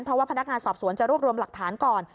เพราะว่าพนักงานสอบสวนจะรวบรวมหลักฐานก่อน